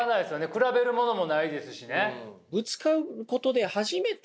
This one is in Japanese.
比べるものもないですしね。